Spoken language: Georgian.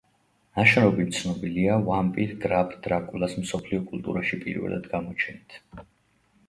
ნაშრომი ცნობილია ვამპირ გრაფ დრაკულას მსოფლიო კულტურაში პირველად გამოჩენით.